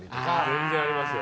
全然ありますよ。